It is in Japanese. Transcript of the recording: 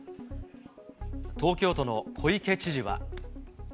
東京都の小池知事は。